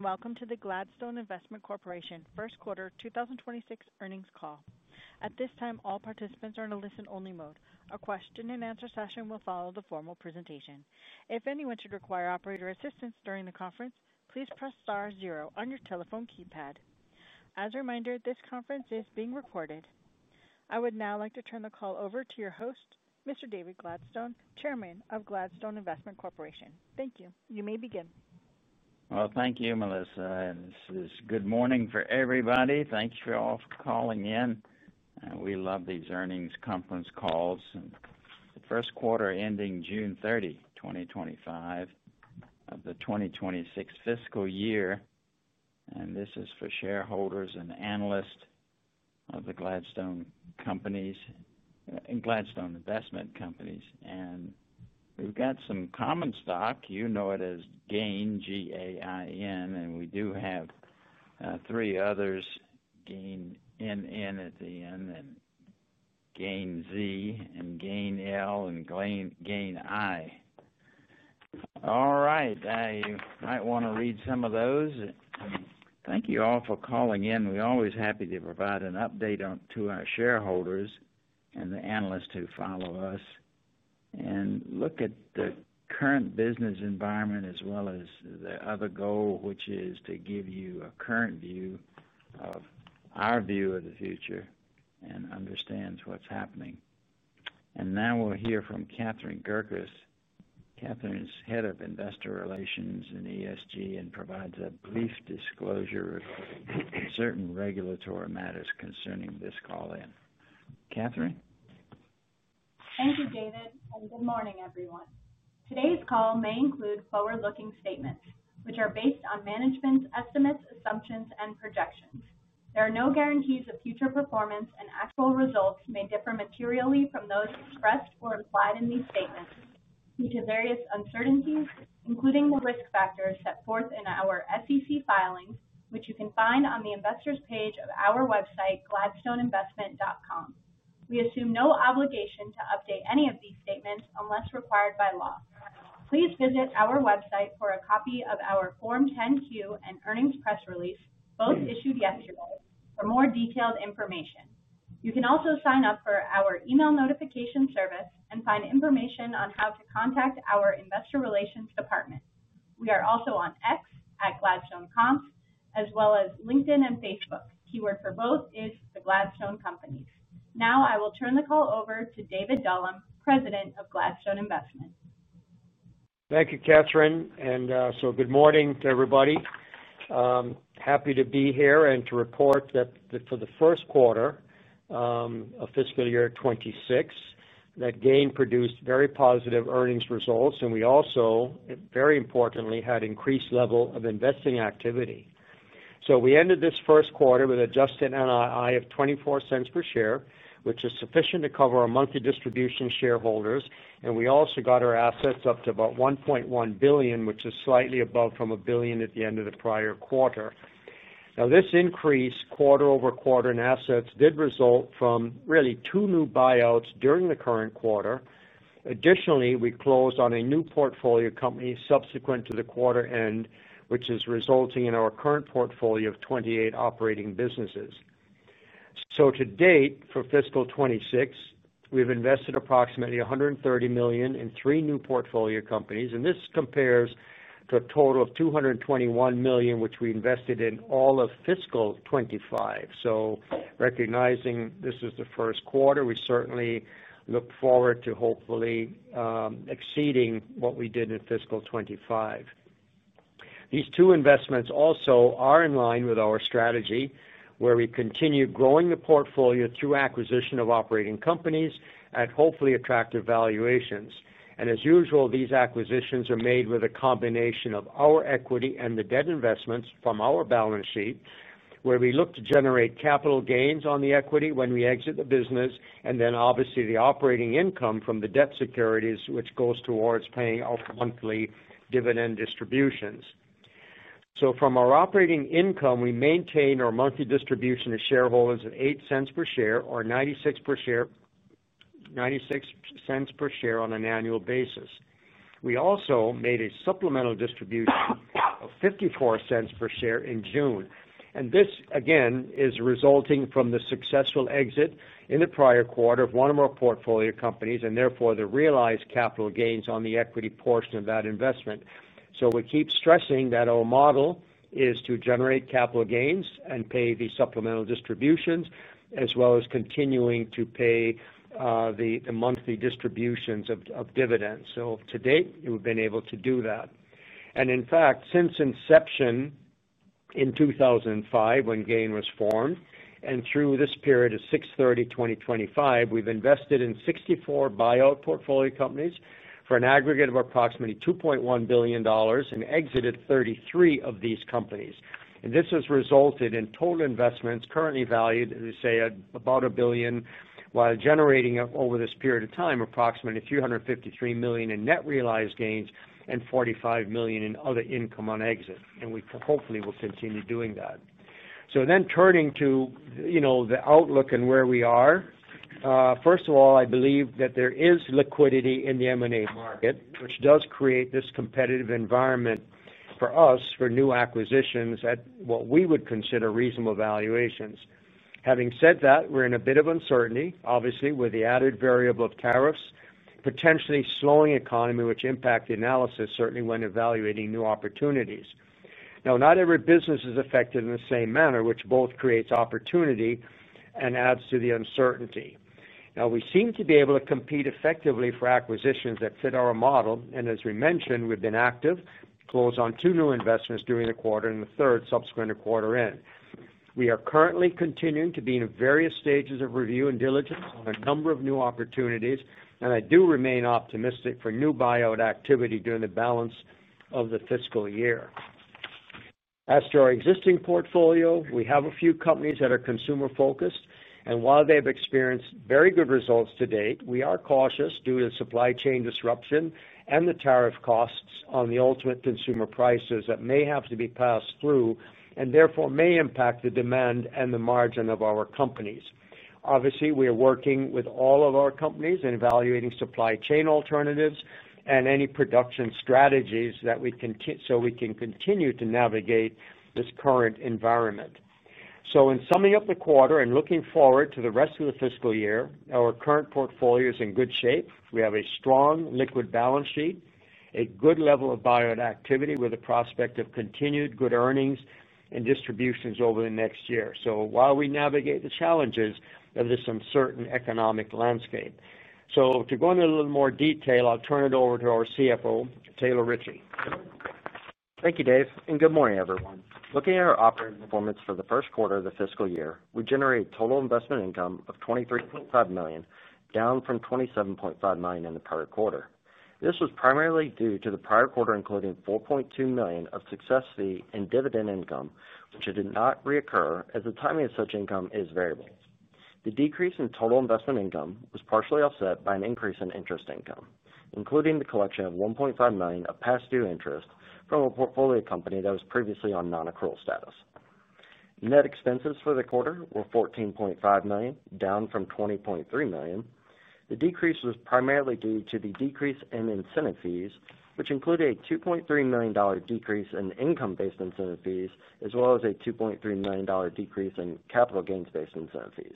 Welcome to the Gladstone Investment Corporation First Quarter 2026 Earnings Call. At this time, all participants are in a listen-only mode. A question and answer session will follow the formal presentation. If anyone should require operator assistance during the conference, please press star zero on your telephone keypad. As a reminder, this conference is being recorded. I would now like to turn the call over to your host, Mr. David Gladstone, Chairman of Gladstone Investment Corporation. Thank you. You may begin. Thank you, Melissa. It's good morning for everybody. Thanks to all for calling in. We love these earnings conference calls. The first quarter ending June 30, 2025, of the 2026 fiscal year. This is for shareholders and analysts of the Gladstone companies and Gladstone Investment Corporation. We've got some common stock. You know it as GAIN, G-A-I-N. We do have three others: GAIN N N at the end, GAIN Z, GAIN L, and GAIN I. You might want to read some of those. Thank you all for calling in. We're always happy to provide an update to our shareholders and the analysts who follow us and look at the current business environment as well as the other goal, which is to give you a current view of our view of the future and understand what's happening. Now we'll hear from Catherine Gerkis. Katherine is Head of Investor Relations and ESG and provides a brief disclosure of certain regulatory matters concerning this call in. Katherine? Thank you, David, and good morning, everyone. Today's call may include forward-looking statements, which are based on management's estimates, assumptions, and projections. There are no guarantees of future performance, and actual results may differ materially from those expressed or implied in these statements due to various uncertainties, including the risk factors set forth in our SEC filings, which you can find on the investors' page of our website, gladstoneinvestment.com. We assume no obligation to update any of these statements unless required by law. Please visit our website for a copy of our Form 10-Q and earnings press release, both issued yesterday, for more detailed information. You can also sign up for our email notification service and find information on how to contact our Investor Relations department. We are also on X at gladstonecoms, as well as LinkedIn and Facebook. Keyword for both is the Gladstone Companies. Now I will turn the call over to David Dullum, President of Gladstone Investment. Thank you, Katherine. Good morning to everybody. Happy to be here and to report that for the first quarter of fiscal year 2026, that GAIN produced very positive earnings results, and we also, very importantly, had an increased level of investing activity. We ended this first quarter with an adjusted NII of $0.24 per share, which is sufficient to cover our monthly distribution to shareholders. We also got our assets up to about $1.1 billion, which is slightly above $1 billion at the end of the prior quarter. This increase quarter over quarter in assets did result from really two new buyouts during the current quarter. Additionally, we closed on a new portfolio company subsequent to the quarter end, which is resulting in our current portfolio of 28 operating businesses. To date for fiscal 2026, we've invested approximately $130 million in three new portfolio companies, and this compares to a total of $221 million, which we invested in all of fiscal 2025. Recognizing this is the first quarter, we certainly look forward to hopefully exceeding what we did in fiscal 2025. These two investments also are in line with our strategy, where we continue growing the portfolio through acquisition of operating companies at hopefully attractive valuations. As usual, these acquisitions are made with a combination of our equity and the debt investments from our balance sheet, where we look to generate capital gains on the equity when we exit the business, and then obviously the operating income from the debt securities, which goes towards paying off monthly dividend distributions. From our operating income, we maintain our monthly distribution to shareholders at $0.08 per share or $0.96 per share on an annual basis. We also made a supplemental distribution of $0.54 per share in June. This, again, is resulting from the successful exit in the prior quarter of one of our portfolio companies, and therefore the realized capital gains on the equity portion of that investment. We keep stressing that our model is to generate capital gains and pay the supplemental distributions, as well as continuing to pay the monthly distributions of dividends. To date, we've been able to do that. In fact, since inception in 2005, when GAIN was formed, and through this period of June 30, 2025, we've invested in 64 buyout portfolio companies for an aggregate of approximately $2.1 billion and exited 33 of these companies. This has resulted in total investments currently valued at about $1 billion, while generating over this period of time approximately $253 million in net realized gains and $45 million in other income on exit. We hopefully will continue doing that. Turning to the outlook and where we are, first of all, I believe that there is liquidity in the M&A market, which does create this competitive environment for us for new acquisitions at what we would consider reasonable valuations. Having said that, we're in a bit of uncertainty, obviously, with the added variable of tariffs, potentially slowing the economy, which impacts the analysis certainly when evaluating new opportunities. Not every business is affected in the same manner, which both creates opportunity and adds to the uncertainty. We seem to be able to compete effectively for acquisitions that fit our model. As we mentioned, we've been active, closed on two new investments during the quarter and the third subsequent to quarter end. We are currently continuing to be in various stages of review and diligence on a number of new opportunities, and I do remain optimistic for new buyout activity during the balance of the fiscal year. As to our existing portfolio, we have a few companies that are consumer-focused. While they've experienced very good results to date, we are cautious due to the supply chain disruption and the tariff costs on the ultimate consumer prices that may have to be passed through and therefore may impact the demand and the margin of our companies. Obviously, we are working with all of our companies and evaluating supply chain alternatives and any production strategies so we can continue to navigate this current environment. In summing up the quarter and looking forward to the rest of the fiscal year, our current portfolio is in good shape. We have a strong liquid balance sheet, a good level of buyout activity with a prospect of continued good earnings and distributions over the next year while we navigate the challenges of this uncertain economic landscape. To go into a little more detail, I'll turn it over to our CFO, Taylor Ritchie. Thank you, Dave, and good morning, everyone. Looking at our operating performance for the first quarter of the fiscal year, we generate total investment income of $23.5 million, down from $27.5 million in the prior quarter. This was primarily due to the prior quarter including $4.2 million of success fee and dividend income, which did not reoccur as the timing of such income is variable. The decrease in total investment income was partially offset by an increase in interest income, including the collection of $1.5 million of past due interest from a portfolio company that was previously on non-accrual status. Net expenses for the quarter were $14.5 million, down from $20.3 million. The decrease was primarily due to the decrease in incentive fees, which included a $2.3 million decrease in income-based incentive fees, as well as a $2.3 million decrease in capital gains-based incentive fees.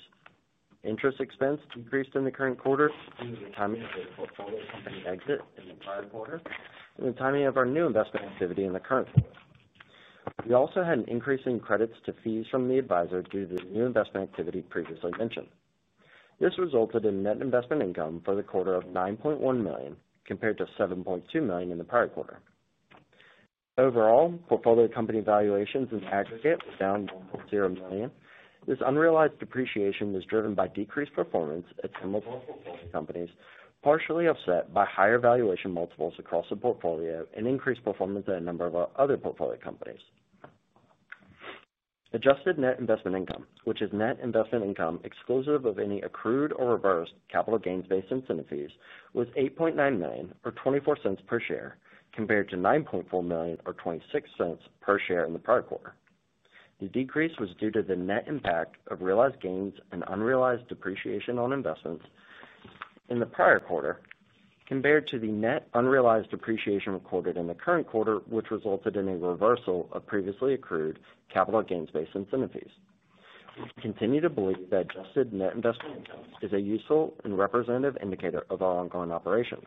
Interest expense increased in the current quarter due to the timing of the portfolio company exit in the prior quarter and the timing of our new investment activity in the current quarter. We also had an increase in credits to fees from the advisor due to the new investment activity previously mentioned. This resulted in net investment income for the quarter of $9.1 million compared to $7.2 million in the prior quarter. Overall, portfolio company valuations in aggregate is down to $0 million. This unrealized depreciation is driven by decreased performance at similar portfolio companies, partially offset by higher valuation multiples across the portfolio and increased performance at a number of other portfolio companies. Adjusted net investment income, which is net investment income exclusive of any accrued or reversed capital gains-based incentive fees, was $8.9 million or $0.24 per share compared to $9.4 million or $0.26 per share in the prior quarter. The decrease was due to the net impact of realized gains and unrealized depreciation on investments in the prior quarter compared to the net unrealized depreciation recorded in the current quarter, which resulted in a reversal of previously accrued capital gains-based incentive fees. We continue to believe that adjusted net investment income is a useful and representative indicator of our ongoing operations.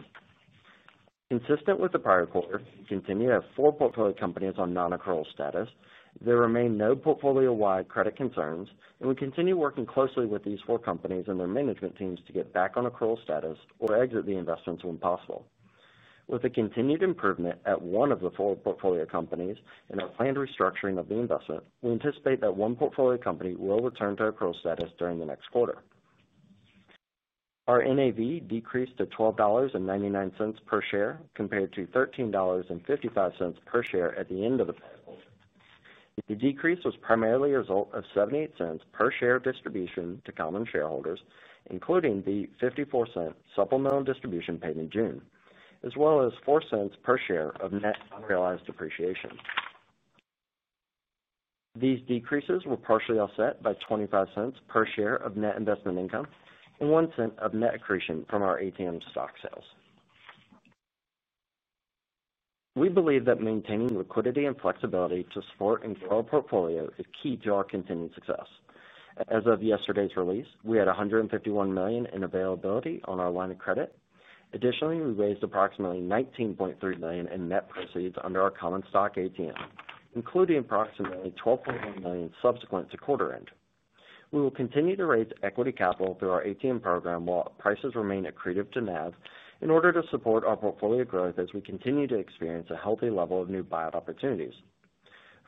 Consistent with the prior quarter, we continue to have four portfolio companies on non-accrual status. There remain no portfolio-wide credit concerns, and we continue working closely with these four companies and their management teams to get back on accrual status or exit the investments when possible. With a continued improvement at one of the four portfolio companies and a planned restructuring of the investment, we anticipate that one portfolio company will return to accrual status during the next quarter. Our NAV decreased to $12.99 per share compared to $13.55 per share at the end of the period. The decrease was primarily a result of $0.78 per share distribution to common shareholders, including the $0.54 supplemental distribution paid in June, as well as $0.04 per share of net unrealized depreciation. These decreases were partially offset by $0.25 per share of net investment income and $0.01 of net accretion from our ATM stock sales. We believe that maintaining liquidity and flexibility to support and grow a portfolio is key to our continued success. As of yesterday's release, we had $151 million in availability on our line of credit. Additionally, we raised approximately $19.3 million in net proceeds under our common stock ATM, including approximately $12.8 million subsequent to quarter end. We will continue to raise equity capital through our ATM program while prices remain accretive to NAV in order to support our portfolio growth as we continue to experience a healthy level of new buyout opportunities.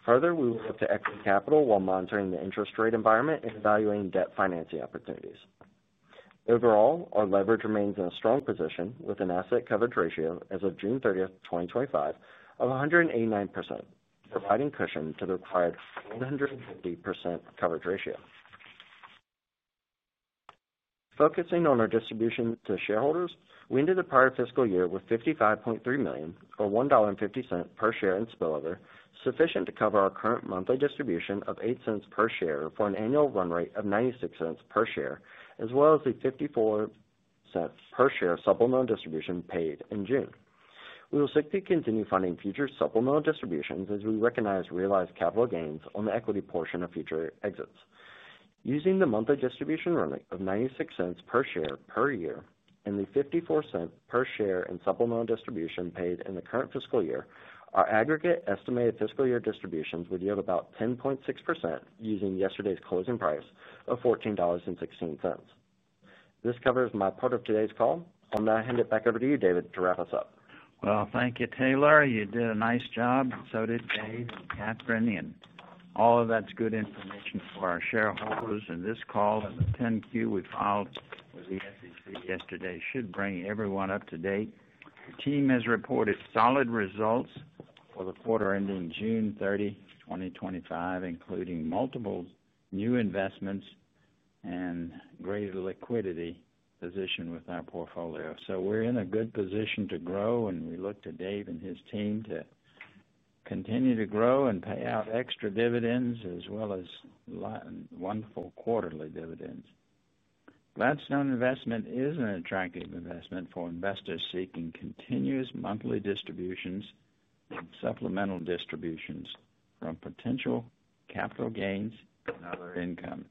Further, we will look to exit capital while monitoring the interest rate environment and evaluating debt financing opportunities. Overall, our leverage remains in a strong position with an asset coverage ratio as of June 30, 2025, of 189%, providing cushion to the required 150% coverage ratio. Focusing on our distribution to shareholders, we ended the prior fiscal year with $55.3 million or $1.50 per share in spillover, sufficient to cover our current monthly distribution of $0.08 per share for an annual run rate of $0.96 per share, as well as the $0.54 per share supplemental distribution paid in June. We will seek to continue funding future supplemental distributions as we recognize realized capital gains on the equity portion of future exits. Using the monthly distribution run rate of $0.96 per share per year and the $0.54 per share in supplemental distribution paid in the current fiscal year, our aggregate estimated fiscal year distributions would yield about 10.6% using yesterday's closing price of $14.16. This covers my part of today's call. I'll now hand it back over to you, David, to wrap us up. Thank you, Taylor. You did a nice job. You did a nice job, Dave and Katherine, and all of that's good information for our shareholders. This call and the 10-Q we filed with the SEC yesterday should bring everyone up to date. The team has reported solid results for the quarter ending June 30, 2025, including multiple new investments and greater liquidity position with our portfolio. We are in a good position to grow, and we look to Dave and his team to continue to grow and pay out extra dividends as well as a lot of wonderful quarterly dividends. Gladstone Investment is an attractive investment for investors seeking continuous monthly distributions and supplemental distributions from potential capital gains and other income.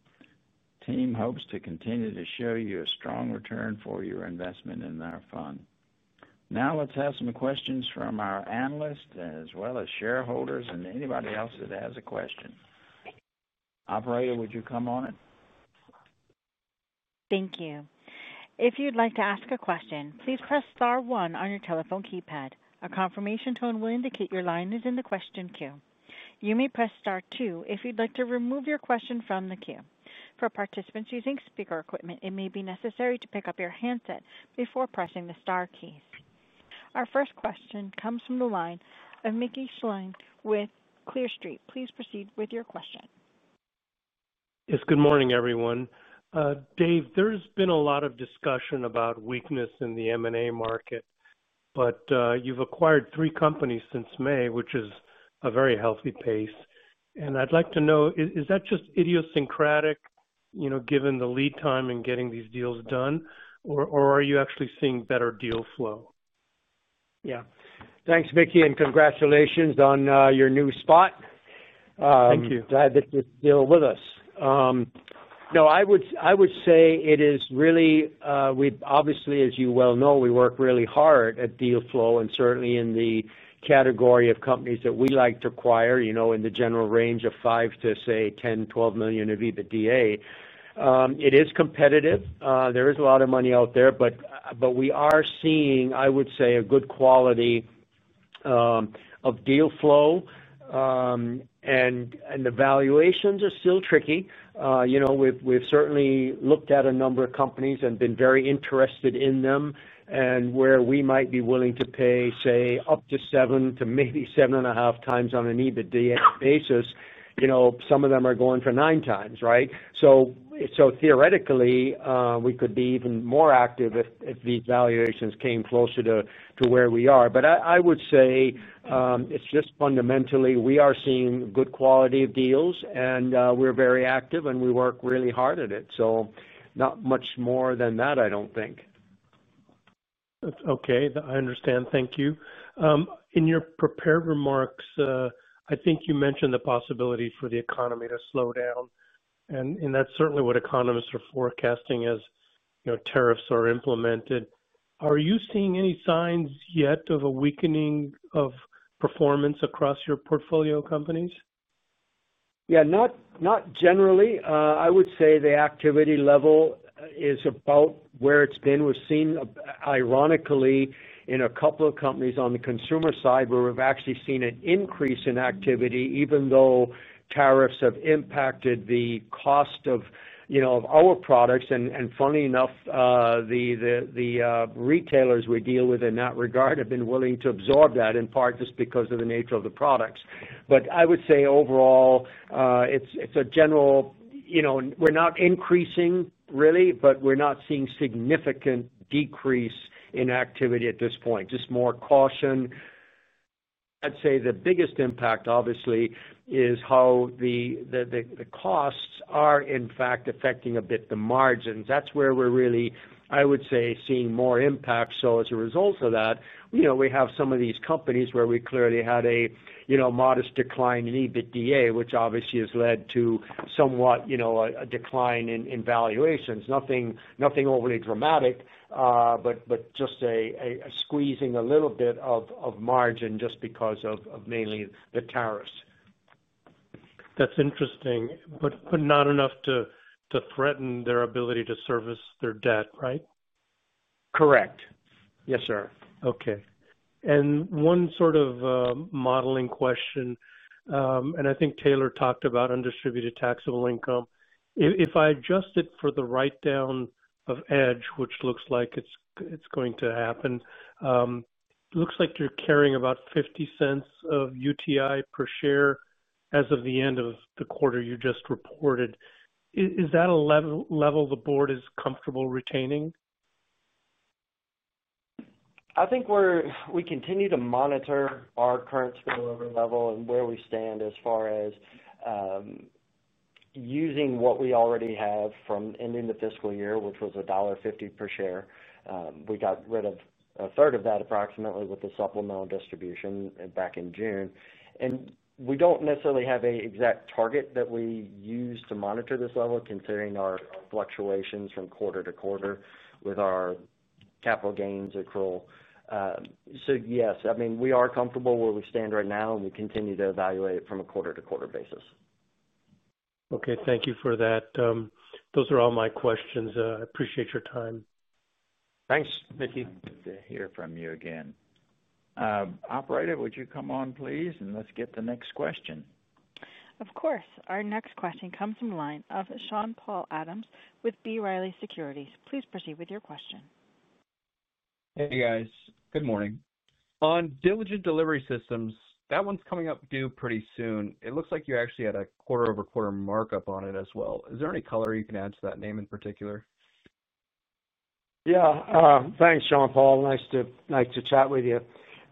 The team hopes to continue to show you a strong return for your investment in our fund. Now let's have some questions from our analysts as well as shareholders and anybody else that has a question. Operator, would you come on? Thank you. If you'd like to ask a question, please press star one on your telephone keypad. A confirmation tone will indicate your line is in the question queue. You may press star two if you'd like to remove your question from the queue. For participants using speaker equipment, it may be necessary to pick up your handset before pressing the star keys. Our first question comes from the line of Mickey Schleien with Clear Street. Please proceed with your question. Yes, good morning, everyone. Dave, there's been a lot of discussion about weakness in the M&A market, but you've acquired three companies since May, which is a very healthy pace. I'd like to know, is that just idiosyncratic, you know, given the lead time in getting these deals done, or are you actually seeing better deal flow? Yeah, thanks, Mickey, and congratulations on your new spot. Thank you. Glad that you're still with us. I would say it is really, we obviously, as you well know, we work really hard at deal flow and certainly in the category of companies that we like to acquire, you know, in the general range of $5 million to, say, $10 million, $12 million of EBITDA. It is competitive. There is a lot of money out there, but we are seeing, I would say, a good quality of deal flow. The valuations are still tricky. We've certainly looked at a number of companies and been very interested in them and where we might be willing to pay, say, up to seven to maybe 7.5X on an EBITDA basis. You know, some of them are going for nine times, right? Theoretically, we could be even more active if these valuations came closer to where we are. I would say it's just fundamentally we are seeing good quality of deals and we're very active and we work really hard at it. Not much more than that, I don't think. Okay, I understand. Thank you. In your prepared remarks, I think you mentioned the possibility for the economy to slow down. That is certainly what economists are forecasting as, you know, tariffs are implemented. Are you seeing any signs yet of a weakening of performance across your portfolio companies? Yeah, not generally. I would say the activity level is about where it's been. We're seeing, ironically, in a couple of companies on the consumer side where we've actually seen an increase in activity, even though tariffs have impacted the cost of, you know, our products. Funny enough, the retailers we deal with in that regard have been willing to absorb that in part just because of the nature of the products. I would say overall, it's a general, you know, we're not increasing really, but we're not seeing a significant decrease in activity at this point. Just more caution. I'd say the biggest impact, obviously, is how the costs are, in fact, affecting a bit the margins. That's where we're really, I would say, seeing more impact. As a result of that, we have some of these companies where we clearly had a, you know, modest decline in EBITDA, which obviously has led to somewhat, you know, a decline in valuations. Nothing overly dramatic, but just a squeezing a little bit of margin just because of mainly the tariffs. That's interesting, but not enough to threaten their ability to service their debt, right? Correct. Yes, sir. Okay. One sort of modeling question, I think Taylor talked about undistributed taxable income. If I adjust it for the write-down of Edge, which looks like it's going to happen, it looks like you're carrying about $0.50 of UTI per share as of the end of the quarter you just reported. Is that a level the board is comfortable retaining? I think we continue to monitor our current turnover level and where we stand as far as using what we already have from ending the fiscal year, which was $1.50 per share. We got rid of a third of that, approximately, with the supplemental distribution back in June. We don't necessarily have an exact target that we use to monitor this level, considering our fluctuations from quarter to quarter with our capital gains accrual. Yes, I mean, we are comfortable where we stand right now and we continue to evaluate it from a quarter to quarter basis. Okay, thank you for that. Those are all my questions. I appreciate your time. Thanks, Mickey. Good to hear from you again. Operator, would you come on, please, and let's get the next question. Of course. Our next question comes from the line of Sean-Paul Adams with B. Riley Securities. Please proceed with your question. Hey, guys. Good morning. On Diligent Delivery Systems, that one's coming up due pretty soon. It looks like you actually had a quarter-over-quarter markup on it as well. Is there any color you can add to that name in particular? Yeah. Thanks, Sean Paul. Nice to chat with you.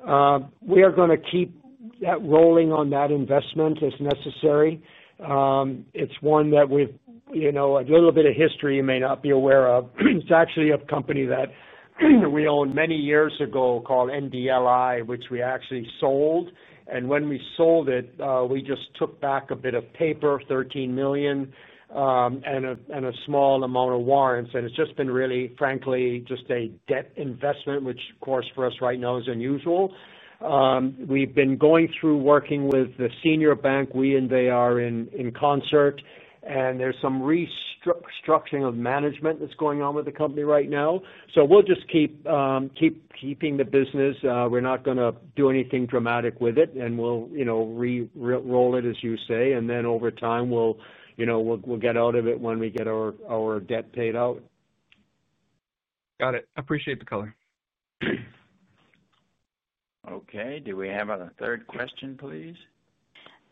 We are going to keep that rolling on that investment as necessary. It's one that we've, you know, a little bit of history you may not be aware of. It's actually a company that we owned many years ago called NDLI, which we actually sold. When we sold it, we just took back a bit of paper, $13 million, and a small amount of warrants. It's just been really, frankly, just a debt investment, which, of course, for us right now is unusual. We've been going through working with the senior bank. We and they are in concert, and there's some restructuring of management that's going on with the company right now. We'll just keep keeping the business. We're not going to do anything dramatic with it. We'll, you know, re-roll it, as you say, and then over time, we'll, you know, we'll get out of it when we get our debt paid out. Got it. Appreciate the color. Okay, do we have a third question, please?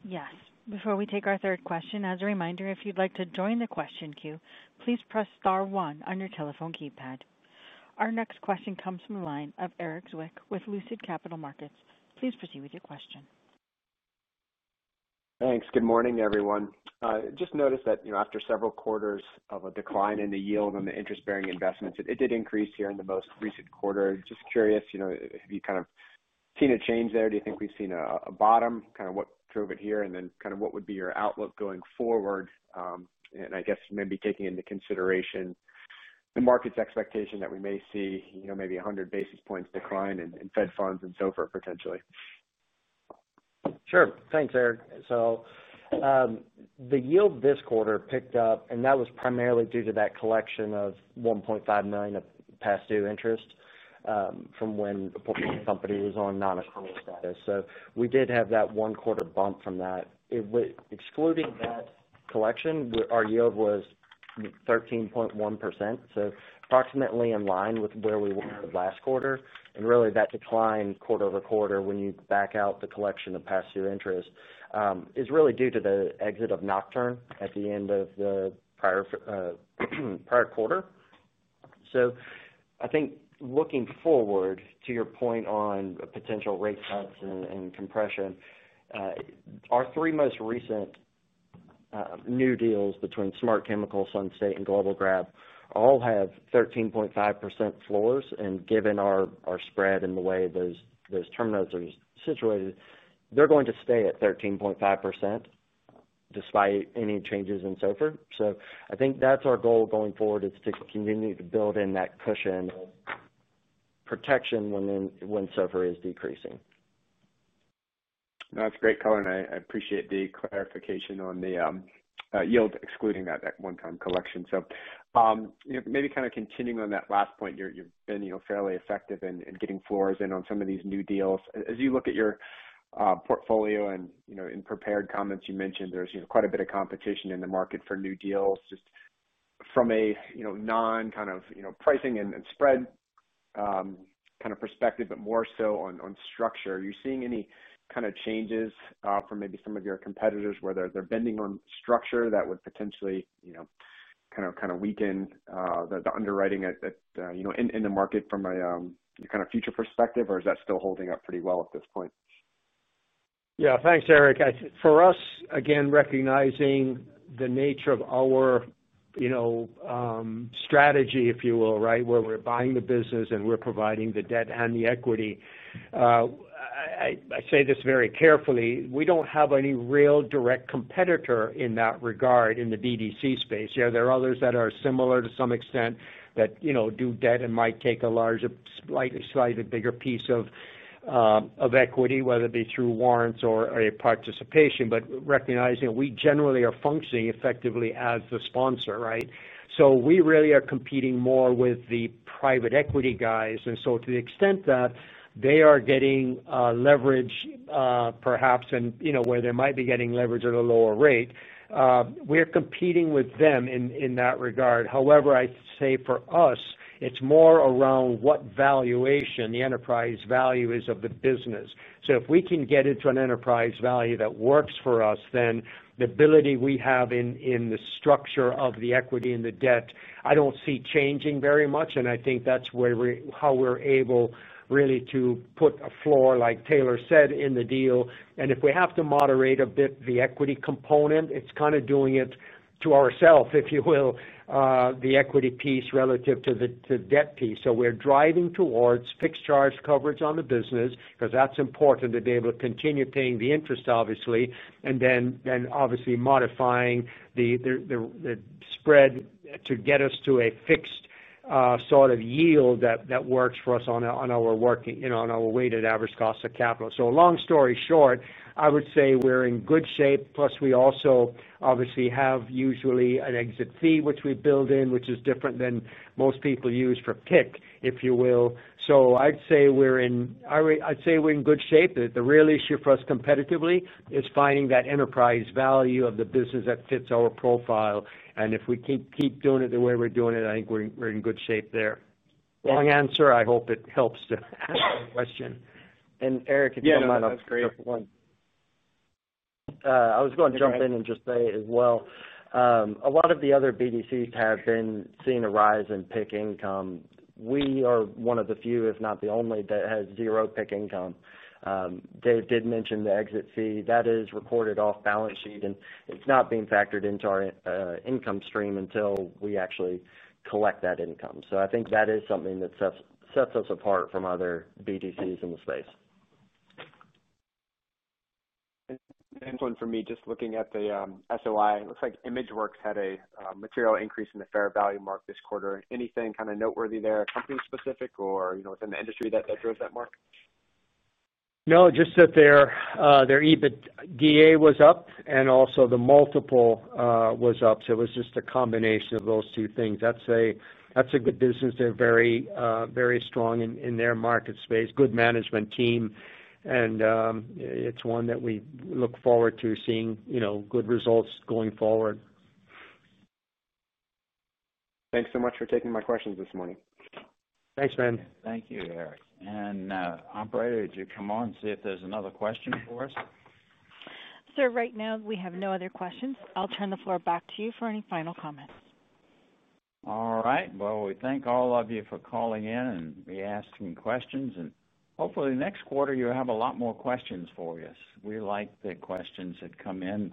Yes. Before we take our third question, as a reminder, if you'd like to join the question queue, please press star one on your telephone keypad. Our next question comes from the line of Erik Zwick with Lucid Capital Markets. Please proceed with your question. Thanks. Good morning, everyone. Just noticed that after several quarters of a decline in the yield on the interest-bearing investments, it did increase here in the most recent quarter. Just curious, have you kind of seen a change there? Do you think we've seen a bottom? What drove it here? What would be your outlook going forward? I guess maybe taking into consideration the market's expectation that we may see maybe 100 basis points decline in Fed funds and so forth, potentially. Sure. Thanks, Eric. The yield this quarter picked up, and that was primarily due to that collection of $1.5 million of past due interest from when the company was on non-accrual status. We did have that one quarter bump from that. Excluding that collection, our yield was 13.1%, approximately in line with where we were last quarter. That decline quarter over quarter when you back out the collection of past due interest is really due to the exit of Nocturne at the end of the prior quarter. I think looking forward to your point on potential rate cuts and compression, our three most recent new deals between Smart Chemical, Sun State, and Global Grab all have 13.5% floors. Given our spread and the way those terminals are situated, they're going to stay at 13.5% despite any changes in SOFR. I think that's our goal going forward is to continue to build in that cushion protection when SOFR is decreasing. That's great color, and I appreciate the clarification on the yield excluding that one-time collection. Maybe continuing on that last point, you've been fairly effective in getting floors in on some of these new deals. As you look at your portfolio and in prepared comments, you mentioned there's quite a bit of competition in the market for new deals. Just from a non-pricing and spread kind of perspective, but more so on structure, are you seeing any kind of changes from maybe some of your competitors where they're bending on structure that would potentially weaken the underwriting in the market from a future perspective, or is that still holding up pretty well at this point? Yeah, thanks, Erik. For us, again, recognizing the nature of our strategy, if you will, right, where we're buying the business and we're providing the debt and the equity. I say this very carefully. We don't have any real direct competitor in that regard in the BDC space. There are others that are similar to some extent that do debt and might take a larger, slightly bigger piece of equity, whether it be through warrants or a participation. Recognizing we generally are functioning effectively as the sponsor, right? We really are competing more with the private equity guys. To the extent that they are getting leverage, perhaps, and where they might be getting leverage at a lower rate, we're competing with them in that regard. However, I'd say for us, it's more around what valuation the enterprise value is of the business. If we can get into an enterprise value that works for us, then the ability we have in the structure of the equity and the debt, I don't see changing very much. I think that's how we're able really to put a floor, like Taylor said, in the deal. If we have to moderate a bit the equity component, it's kind of doing it to ourselves, if you will, the equity piece relative to the debt piece. We're driving towards fixed charge coverage on the business because that's important to be able to continue paying the interest, obviously, and then obviously modifying the spread to get us to a fixed sort of yield that works for us on our weighted average cost of capital. Long story short, I would say we're in good shape. Plus, we also obviously have usually an exit fee, which we build in, which is different than most people use for PIK, if you will. I'd say we're in good shape. The real issue for us competitively is finding that enterprise value of the business that fits our profile. If we keep doing it the way we're doing it, I think we're in good shape there. Long answer. I hope it helps to answer the question. Eric, if you don't mind. Yeah, that's great. I was going to jump in and just say as well, a lot of the other BDCs have been seeing a rise in PIK income. We are one of the few, if not the only, that has zero PIK income. Dave did mention the exit fee. That is recorded off balance sheet, and it's not being factored into our income stream until we actually collect that income. I think that is something that sets us apart from other BDCs in the space. Just looking at the SOI, it looks like ImageWorks had a material increase in the fair value mark this quarter. Anything kind of noteworthy there, company-specific or within the industry that drove that mark? No, just that their EBITDA was up, and also the multiple was up. It was just a combination of those two things. That's a good business. They're very, very strong in their market space, good management team, and it's one that we look forward to seeing good results going forward. Thanks so much for taking my questions this morning. Thanks, man. Thank you, Eric. Operator, would you come on and see if there's another question for us? Sir, right now we have no other questions. I'll turn the floor back to you for any final comments. All right. We thank all of you for calling in and asking questions. Hopefully, next quarter you have a lot more questions for us. We like the questions that come in.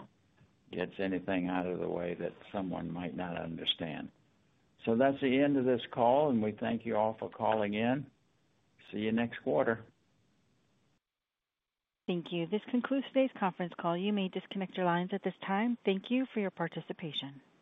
It gets anything out of the way that someone might not understand. That's the end of this call, and we thank you all for calling in. See you next quarter. Thank you. This concludes today's conference call. You may disconnect your lines at this time. Thank you for your participation.